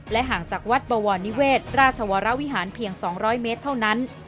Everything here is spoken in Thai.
ห่างจากวัดบวรนิเวศราชวรวิหารเพียง๒๐๐เมตรเท่านั้น